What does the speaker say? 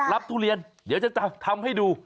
ทุเรียนเดี๋ยวจะทำให้ดู